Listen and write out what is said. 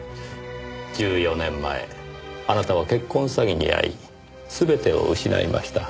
１４年前あなたは結婚詐欺に遭い全てを失いました。